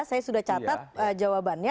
saya sudah catat jawabannya